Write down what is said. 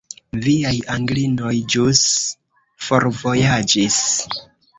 Viaj Anglinoj ĵus forvojaĝis.